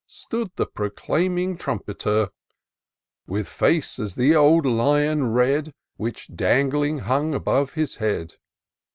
Stood the proclaiming Trumpeter, With face as the old Lion red, Which dangling hung above his head.